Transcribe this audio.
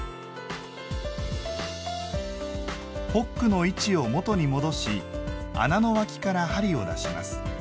ホックの位置を元に戻し穴の脇から針を出します。